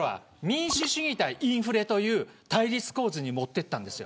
民主主義対インフレという対立構造にもっていったんです。